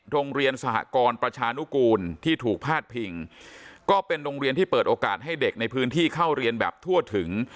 โรงเรียนสหกรประชานุกูลที่ถูกพาดพิงก็เป็นโรงเรียนที่เปิดโอกาสให้เด็กในพื้นที่เข้าเรียนแบบทั่วถึง